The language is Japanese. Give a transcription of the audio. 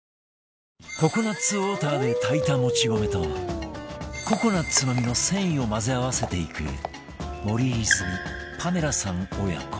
ココナッツウォーターで炊いたもち米とココナッツの実の繊維を混ぜ合わせていく森泉パメラさん親子